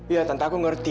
iya tante aku ngerti